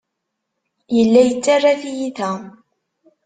Yella yettarra tiyita.